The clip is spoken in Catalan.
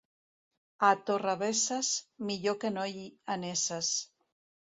A Torrebesses, millor que no hi «anesses».